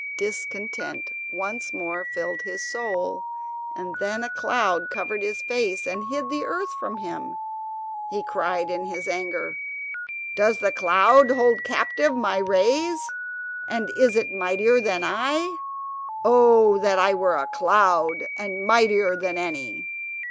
Discontent once more filled his soul, and when a cloud covered his face, and hid the earth from him, he cried in his anger: "Does the cloud hold captive my rays, and is it mightier than I? Oh, that I were a cloud, and mightier than any!"